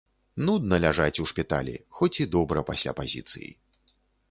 Нудна ляжаць у шпіталі, хоць і добра пасля пазіцыі.